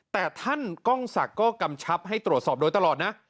แต่ท่านกล้องศักดิ์ก็กำชับให้ตรวจสอบโดยตลอดนะ